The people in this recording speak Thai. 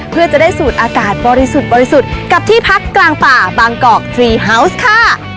เพื่อจะได้สูดอากาศบริสุทธิ์บริสุทธิ์กับที่พักกลางป่าบางกอกทรีเฮาวส์ค่ะ